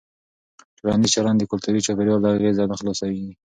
ټولنیز چلند د کلتوري چاپېریال له اغېزه نه خلاصېږي.